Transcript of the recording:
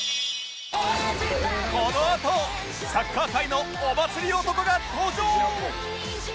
このあとサッカー界のお祭り男が登場！